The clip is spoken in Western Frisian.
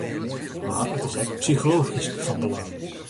Mar it is ek psychologysk fan belang.